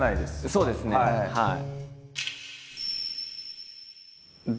そうですねはい。